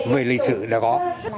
về lý sự đã có